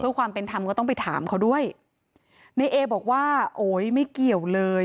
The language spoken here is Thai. เพื่อความเป็นธรรมก็ต้องไปถามเขาด้วยในเอบอกว่าโอ๊ยไม่เกี่ยวเลย